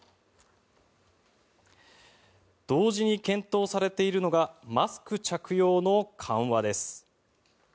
同時に検討されているのがマスク着用の緩和です。